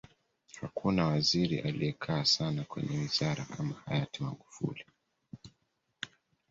hakuna waziri aliyekaa sana kwenye wizara kama hayati magufuli